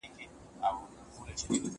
ته ولي سبزیجات وچوې،